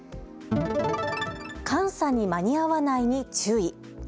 監査に間に合わないに注意。